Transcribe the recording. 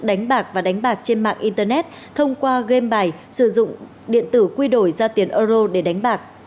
đánh bạc và đánh bạc trên mạng internet thông qua game bài sử dụng điện tử quy đổi ra tiền euro để đánh bạc